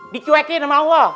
dicuekin sama allah